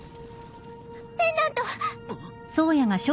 ペンダント！